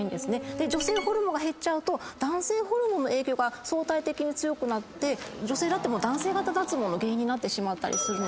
女性ホルモンが減っちゃうと男性ホルモンの影響が相対的に強くなって女性でも男性型脱毛の原因になってしまったりするので。